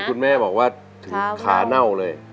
คุณแม่บอกว่าถึงขาเน่าเลย